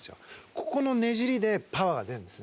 ここのねじりでパワーが出るんですね。